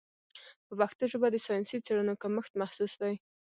په پښتو ژبه د ساینسي څېړنو کمښت محسوس دی.